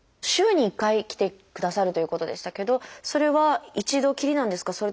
週に１回来てくださるということでしたけどそれは一度きりなんですか？